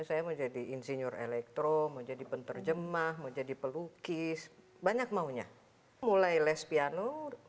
saya menjadi insinyur elektro menjadi penterjemah menjadi pelukis banyak maunya mulai les piano